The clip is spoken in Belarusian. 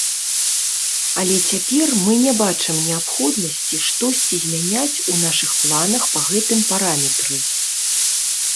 Але цяпер мы не бачым неабходнасці штосьці змяняць у нашых планах па гэтым параметры.